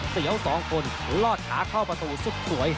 เสียวสองคนลอดขาเข้าประตูสุดสวย